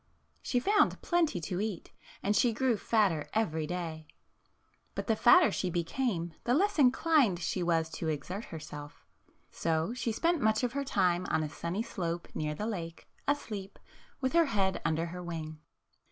She found plenty to eat, and she grew fat ter every day. But the fatter she became, the less inclined she was to exert herself. So she spent much of her time on a sunny slope near the lake, asleep, with her head under her wing.